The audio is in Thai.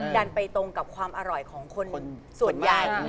ดันไปตรงกับความอร่อยของคนส่วนใหญ่